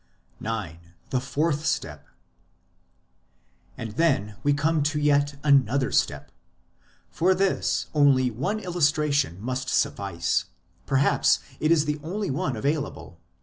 IX. THE FOURTH STEP And then we come to yet another step. For this only one illustration must suffice ; perhaps it is the only one available.